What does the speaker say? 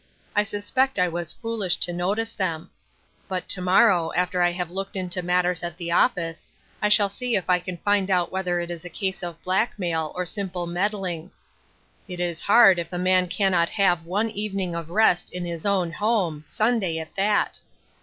I suspect I was foolish to notice them ; but to morrow, after I have looked into matters at the office, I will see if I can find out whether it is a case of black mail, or simple meddling. It is hard if a man cannot have one evening of rest in his own home, Sunday at that.